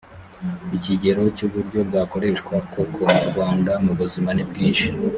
ikigero cy uburyo bwakoreshwa koko murwanda mubuzima nibwinshi